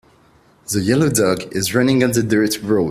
The yellow dog is running on the dirt road.